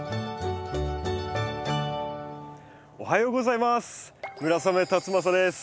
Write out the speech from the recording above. おはようございます。